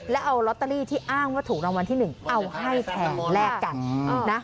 แล้วเอาลอตเตอรี่ที่อ้างว่าถูกรางวัลที่๑เอาให้แทนแลกกันนะ